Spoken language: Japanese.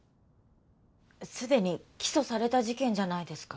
すでに起訴された事件じゃないですか。